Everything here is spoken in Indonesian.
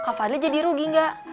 kak fadli jadi rugi gak